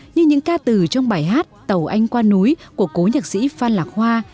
như những ca từ trong bài hát tàu anh qua núi của cố nhạc sĩ phan lạc hoa